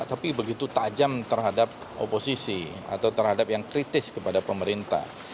tapi begitu tajam terhadap oposisi atau terhadap yang kritis kepada pemerintah